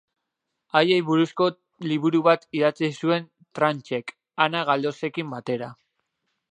Haiei buruzko liburu bat idatzi zuen Tranchek, Ana Galdosekin batera.